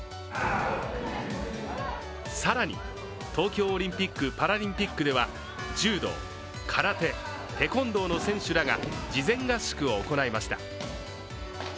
更に東京オリンピック・パラリンピックでは柔道、空手、テコンドーの選手らが事前合宿を行いました。